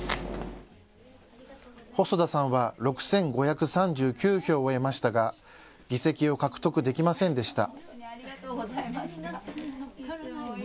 細田さんは６５３９票を得ましたが議席を獲得できませんでした。